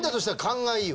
勘がいい。